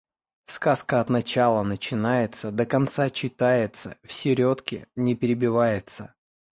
Сказка от начала начинается, до конца читается, в середке не перебивается.